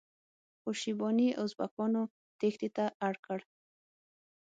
خو شیباني ازبکانو تیښتې ته اړ کړ.